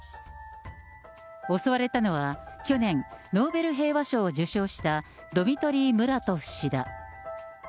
襲われたのは、去年、ノーベル平和賞を受賞したドミトリー・ムラトフ氏だ。